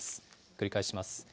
繰り返します。